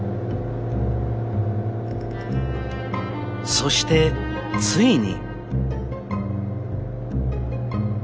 そしてついに。